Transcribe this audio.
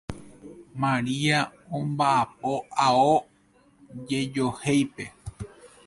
Maria omba'apo ao jejohéipe.